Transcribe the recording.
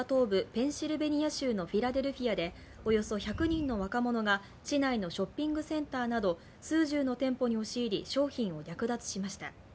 ペンシルベニア州のフィラデルフィアでおよそ１００人の若者が市内のショッピングセンターなど数十の店舗に押し入り、商品を略奪しました。